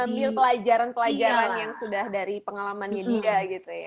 ambil pelajaran pelajaran yang sudah dari pengalamannya dia gitu ya